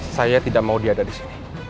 saya tidak mau dia ada disini